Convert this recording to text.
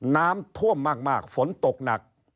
น้ำท่วมมากฝนตกหนัก